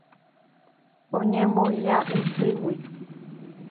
Oñemoña isýgui.